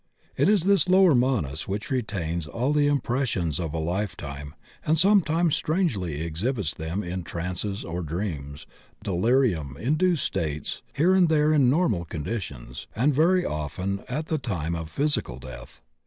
It is this lower Manas which retains all the impres sions of a life time and sometimes strangely exhibits them in trances or dreams, delirium, induced states, here and there in normal conditions, and very often at the time of physical death.